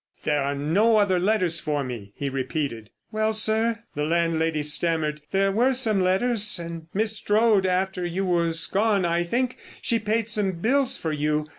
"There are no other letters for me?" he repeated. "Well, sir," the landlady stammered, "there were some letters—and Miss Strode, after you was gone, I think she paid some bills for you.